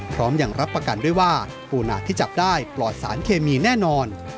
พร้อมยังรับประกันด้วยว่าปูนาที่จับได้ปลอดสารเคมีแน่นอน